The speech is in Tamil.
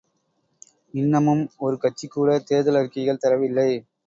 இன்னமும் ஒரு கட்சி கூட தேர்தல் அறிக்கைகள் தரவில்லை.